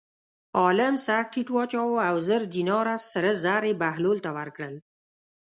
عالم سر ټیټ واچاوه او زر دیناره سره زر یې بهلول ته ورکړل.